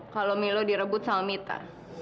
kalau milo direbut sama mita